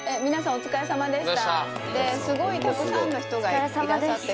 お疲れさまでした。